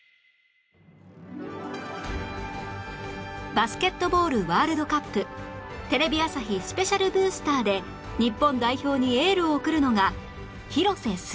バスケットボールワールドカップテレビ朝日スペシャルブースターで日本代表にエールを送るのが広瀬すず